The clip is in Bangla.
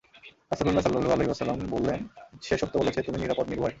রাসূলুল্লাহ সাল্লাল্লাহু আলাইহি ওয়াসাল্লাম বললেন, সে সত্য বলেছে, তুমি নিরাপদ নির্ভয়।